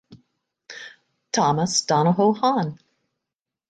Thomas Donohoe Hon.